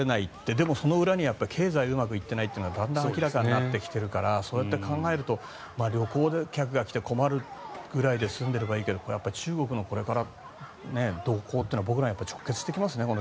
でもその裏には経済がうまくいっていないというのがだんだん明らかになってきているからそうやって考えると旅行客が来て困るぐらいで済んでいればいいけど中国のこれから、動向は僕らに直結してきますね。